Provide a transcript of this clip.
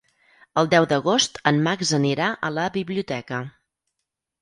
El deu d'agost en Max anirà a la biblioteca.